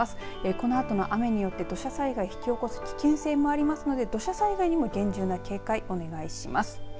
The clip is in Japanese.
このあとの雨によって土砂災害引き起こす危険性もありますので土砂災害にも厳重な警戒お願いします。